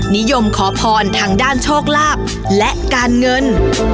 นิยมขอพรทางด้านโชคลาภและการเงิน